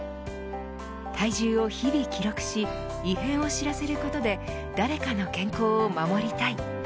体重を日々記録し異変を知らせることで誰かの健康を守りたい。